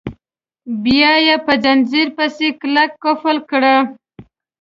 بیا یې په ځنځیر پسې کلک قلف کړه.